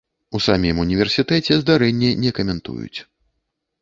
У самім універсітэце здарэнне не каментуюць.